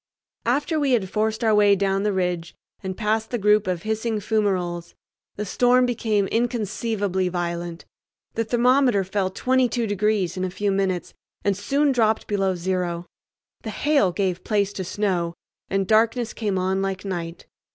After we had forced our way down the ridge and past the group of hissing fumaroles, the storm became inconceivably violent. The thermometer fell 22 degrees in a few minutes, and soon dropped below zero. The hail gave place to snow, and darkness came on like night.